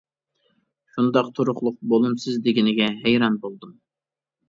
شۇنداق تۇرۇقلۇق، «بولۇمسىز» دېگىنىگە ھەيران بولدۇم.